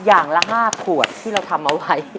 อย่างละ๕ขวดที่เราทำเอาไว้